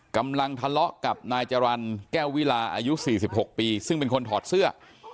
กำลังทะเลาะกับนายจรรย์แก้ววิลาอายุ๔๖ปีซึ่งเป็นคนถอดเสื้อ